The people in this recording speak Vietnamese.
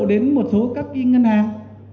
đến một số các ngân hàng